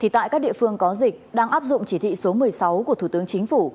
tại các địa phương có dịch đang áp dụng chỉ thị số một mươi sáu của thủ tướng chính phủ